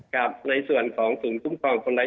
ครับในส่วนของส่วนทุ่มความความความไร้